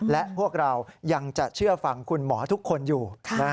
และพวกเรายังจะเชื่อฟังคุณหมอทุกคนอยู่